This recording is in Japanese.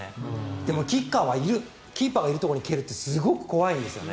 でもキッカーはキーパーがいるところに蹴るってすごく怖いんですね。